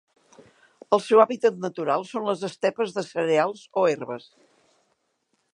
El seu hàbitat natural són les estepes de cereals o herbes.